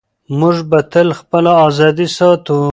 موږ به تل خپله ازادي ساتو.